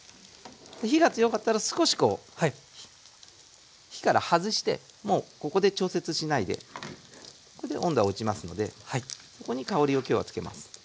火が強かったら少しこう火から外してもうここで調節しないでこれで温度は落ちますのでそこに香りを今日はつけます。